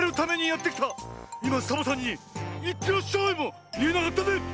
いまサボさんに「いってらっしゃい」もいえなかったね。